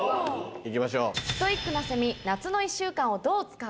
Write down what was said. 行きましょう。